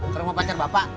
ke rumah pacar bapak